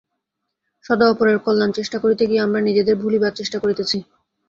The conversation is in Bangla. সর্বদা অপরের কল্যাণচেষ্টা করিতে গিয়া আমরা নিজেদের ভুলিবার চেষ্টা করিতেছি।